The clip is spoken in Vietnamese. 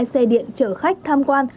hai mươi hai xe điện chở khách thăm quan